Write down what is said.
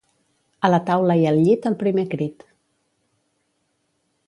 A la taula i al llit al primer crit